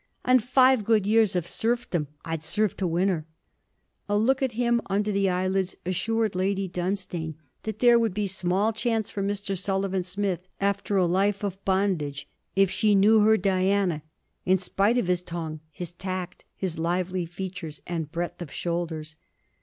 'And five good years of serfdom I'd serve to win her!' A look at him under the eyelids assured Lady Dunstane that there would be small chance for Mr. Sullivan Smith; after a life of bondage, if she knew her Diana, in spite of his tongue, his tact, his lively features, and breadth of shoulders.